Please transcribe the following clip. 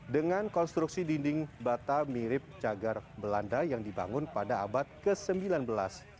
dengan konstruksi dinding bata mirip cagar belanda yang dibangun pada abad ke sembilan belas